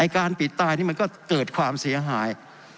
การปิดใต้นี่ก็มันเกิดความเสียหาย